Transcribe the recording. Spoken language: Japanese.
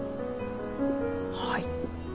はい。